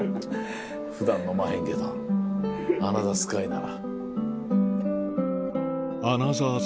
普段飲まへんけど「アナザースカイ」なら。